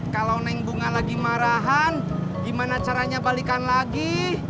kalau naik bunga lagi marahan gimana caranya balikan lagi